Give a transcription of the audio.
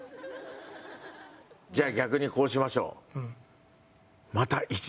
じゃあ逆にこうしましょう。